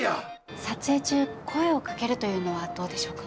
撮影中声をかけるというのはどうでしょうか？